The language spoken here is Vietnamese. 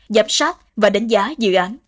giám sát và đánh giá dự án